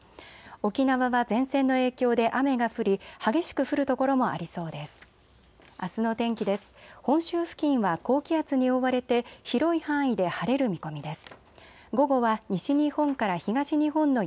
沖縄は前線の影響で雨が降り激しく降る所もありそうです。